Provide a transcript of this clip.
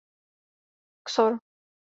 xor